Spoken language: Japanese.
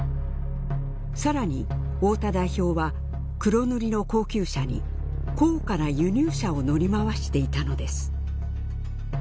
さらに太田代表は黒塗りの高級車に高価な輸入車を乗り回していたのです。